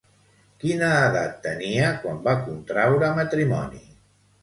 Quina edat tenia quan va contraure matrimoni?